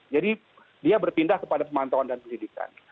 jadi dia berpindah kepada pemantauan dan penelitikan